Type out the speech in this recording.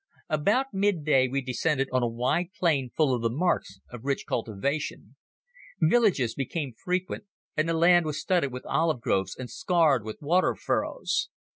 About midday we descended on a wide plain full of the marks of rich cultivation. Villages became frequent, and the land was studded with olive groves and scarred with water furrows.